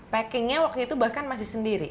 packing nya waktu itu bahkan masih sendiri